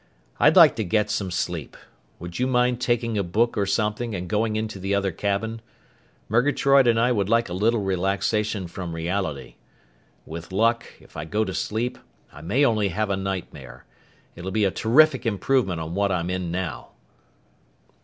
"I'd like to get some sleep. Would you mind taking a book or something and going into the other cabin? Murgatroyd and I would like a little relaxation from reality. With luck, if I go to sleep, I may only have a nightmare. It'll be a terrific improvement on what I'm in now!"